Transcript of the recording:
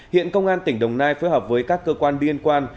hiện công an tỉnh đồng nai phối hợp với các cơ quan liên quan